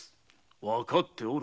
わかっておる。